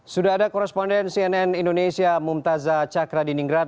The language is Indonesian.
sudah ada koresponden cnn indonesia mumtazah chakra diningrat